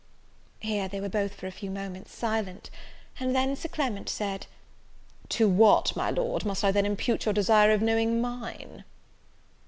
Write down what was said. Here they were both, for a few moments, silent; and then Sir Clement said, "To what, my Lord, must I then impute your desire of knowing mine?"